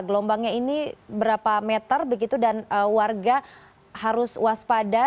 gelombangnya ini berapa meter begitu dan warga harus waspada